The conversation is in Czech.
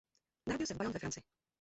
Narodil se v Bayonne ve Francii.